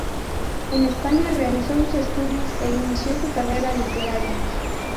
En España realizó sus estudios e inició su carrera literaria.